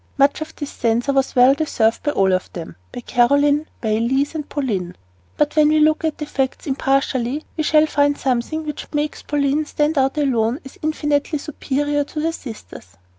Much of this censure was well deserved by all of them by Caroline and Elise and Pauline. But when we look at the facts impartially we shall find something which makes Pauline stand out alone as infinitely superior to her sisters.